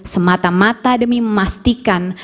semata mata demi memastikan